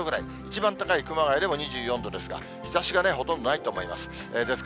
一番高い熊谷でも２４度ですが、日ざしがほとんどないと思います。